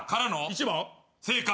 １番？正解。